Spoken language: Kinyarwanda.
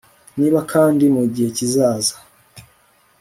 niba kandi mu gihe kizaza